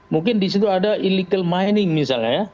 mungkin disitu ada illegal mining misalnya ya